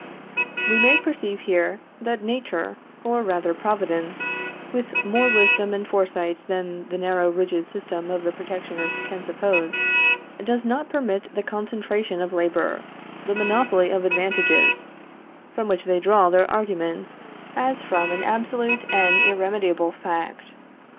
We may here perceive, that Nature, or rather Providence, with more wisdom and foresight than the narrow rigid system of the protectionists can suppose, does not permit the concentration of labor, the monopoly of advantages, from which they draw their arguments as from an absolute and irremediable fact.